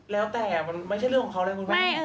แล้วแต่มันไม่ใช่เรื่องของเขานะคุณแม่